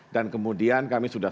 dan kemudian kami sudah